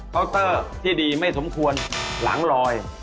เตอร์ที่ดีไม่สมควรหลังลอย